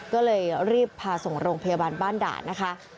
ก็เลยรีบพาส่งโรงพยาบาลบ้านด่านนะคะ